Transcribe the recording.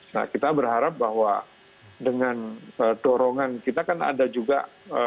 nah kita berharap bahwa dengan dorongan kita kan ada juga bantuan lain ya